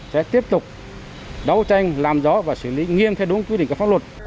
sẽ tiếp tục đấu tranh làm gió và xử lý nghiêm theo đúng quy định các pháp luật